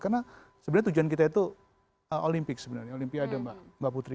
karena sebenarnya tujuan kita itu olimpiade mbak putri